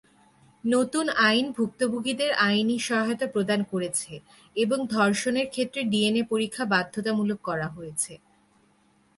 নতুন আইন ভুক্তভোগীদের আইনি সহায়তা প্রদান করেছে এবং ধর্ষণের ক্ষেত্রে ডিএনএ পরীক্ষা বাধ্যতামূলক করা হয়েছে।